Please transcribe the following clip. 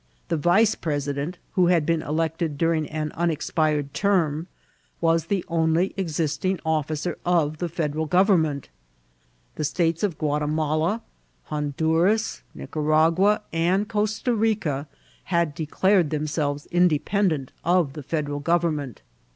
The vice president, who had been elected during an unexpired term, was the only existing officer of the Federal Gov emment. The states of Guatimala, Honduras, Nica ragua, and Costa Rica had declared themselves inde pendent of the Federal Government.